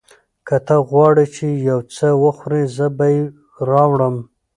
که ته غواړې چې یو څه وخورې، زه به یې راوړم.